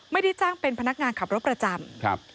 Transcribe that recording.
ไม่ได้จ้างเป็นพนักงานขับรถประจำครับ